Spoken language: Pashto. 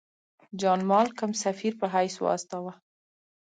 جان مالکم سفیر په حیث واستاوه.